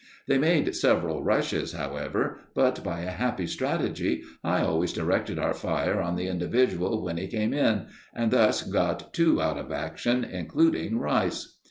They made several rushes, however, but, by a happy strategy, I always directed our fire on the individual when he came in, and thus got two out of action, including Rice.